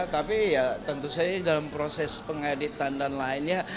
tapi ya tentu saja dalam proses pengeditan dan lainnya